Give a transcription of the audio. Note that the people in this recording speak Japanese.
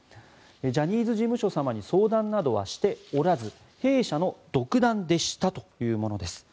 ジャニーズ事務所様に相談などはしておらず弊社の独断でしたというものです。